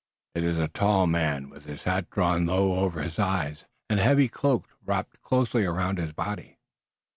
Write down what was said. It is a tall man with his hat drawn low over his eyes, and a heavy cloak wrapped closely around his body."